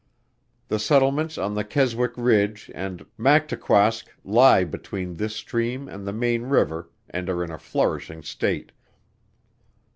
The settlements on the Keswick Ridge and Mactuquask lie between this stream and the main river, and are in a flourishing state.